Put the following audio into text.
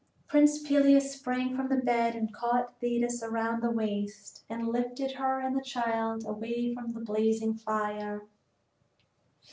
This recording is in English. Prince Peleus sprang from the bed and caught Thetis around the waist and lifted her and the child away from the blazing fire.